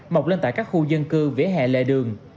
mọc lên tại các khu dân cư vỉa hẹ lề đường